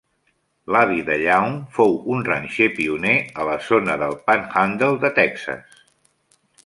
L'avi de Young fou un ranxer pioner a la zona del Panhandle de Texas.